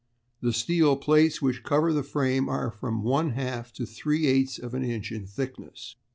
The steel plates which cover the frame are from one half to three eighths of an inch in thickness.